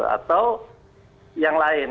atau yang lain